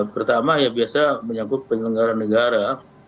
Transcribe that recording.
pertama ya biasa menyangkut penyelenggara negara